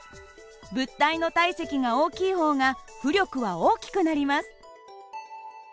物体の体積が大きい方が浮力は大きくなります。